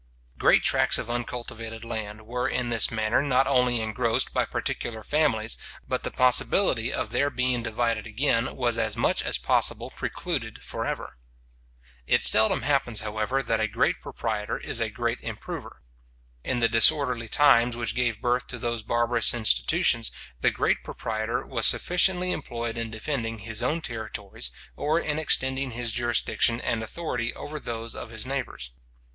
Great tracts of uncultivated land were in this manner not only engrossed by particular families, but the possibility of their being divided again was as much as possible precluded for ever. It seldom happens, however, that a great proprietor is a great improver. In the disorderly times which gave birth to those barbarous institutions, the great proprietor was sufficiently employed in defending his own territories, or in extending his jurisdiction and authority over those of his neighbours.